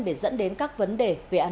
để dẫn đến các vấn đề về ăn